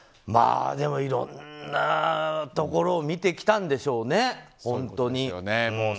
でも、いろんなところを見てきたんでしょうね、本当に。